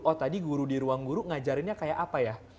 oh tadi guru di ruang guru ngajarinnya kayak apa ya